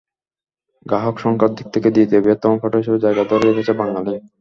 গ্রাহকসংখ্যার দিক থেকে দ্বিতীয় বৃহত্তম অপারেটর হিসেবে জায়গা ধরে রেখেছে বাংলালিংক।